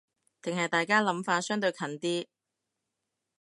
定係大家諗法相對近啲